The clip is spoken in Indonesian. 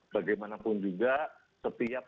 bagaimanapun juga setiap